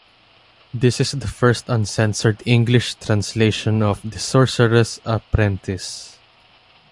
This is the first uncensored English translation of "The Sorcerer's Apprentice".